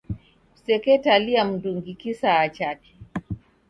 Kuseketalia mndungi kisaya chake.